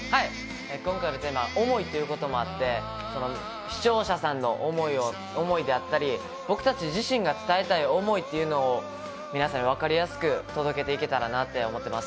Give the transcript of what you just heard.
今回のテーマ「想い」ということもあって、視聴者さんの思いであったり、僕たち自身が伝えたい想いというのを皆さんにわかりやすく届けていけたらなと思っております。